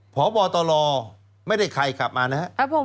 พบตลไม่ได้ใครกลับมานะ